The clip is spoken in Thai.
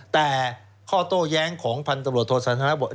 แต่ข้อโต้แย้งของพันธุ์ตบริหารโทษธนาคต์บอกว่า